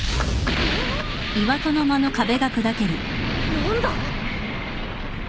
何だ！？